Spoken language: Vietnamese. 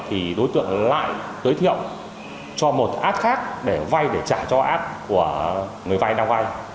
thì đối tượng lại giới thiệu cho một ad khác để vay để trả cho ad của người vay đang vay